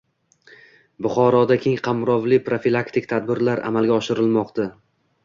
Buxoroda keng kamrovli profilaktik tadbirlar amalga oshirilmokda